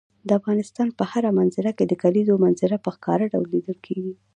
د افغانستان په هره منظره کې د کلیزو منظره په ښکاره ډول لیدل کېږي.